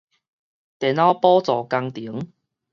電腦輔助工程